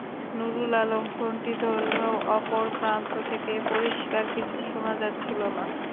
নুরুল আলম ফোনটি ধরলেও অপর প্রান্ত থেকে পরিষ্কার কিছু শোনা যাচ্ছিল না।